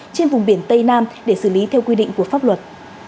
trên vùng biển tây nam để xử lý theo quy định của pháp luật